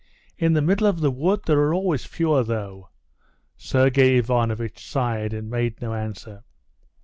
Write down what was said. In the middle of the wood there are always fewer, though." Sergey Ivanovitch sighed and made no answer.